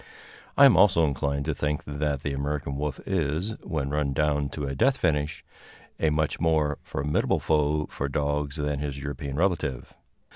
I am also inclined to think that the American wolf is, when run down to a death finish, a much more formidable foe for dogs than his European relative.